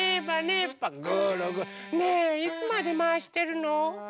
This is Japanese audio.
ねえいつまでまわしてるの？